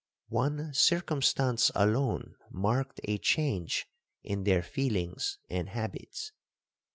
One circumstance alone marked a change in their feelings and habits.